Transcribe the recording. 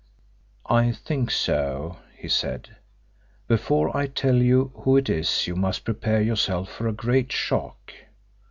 "I think so," he said. "Before I tell you who it is you must prepare yourself for a great shock."